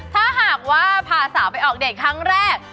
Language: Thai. ถ้าหากว่าพาสาวไปออกเดทครั้งแรก